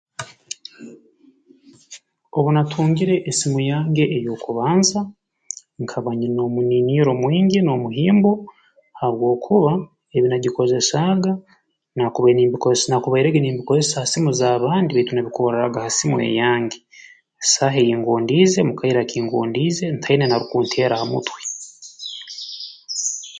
Obu naatungire esimu yange ey'okubanza nkaba nyine omuniiniro mwingi n'omuhimbo habwokuba ebi nagikozesaaga naakubaire nimbikozesa naakubairege nimbikozesa ha simu ez'abandi baitu nabikorraaga ha simu eyange mu saaha ei ngondiize mu kaire aka ngondiize ntaine n'arukunteera ha mutwe